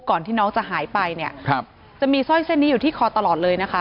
ที่น้องจะหายไปเนี่ยครับจะมีสร้อยเส้นนี้อยู่ที่คอตลอดเลยนะคะ